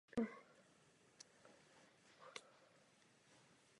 V posledních třech se zónách nastupuje za Hannover Scorpions.